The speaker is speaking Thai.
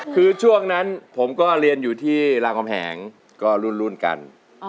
คือช่วงนั้นผมก็เรียนอยู่ที่รามคำแหงก็รุ่นกัน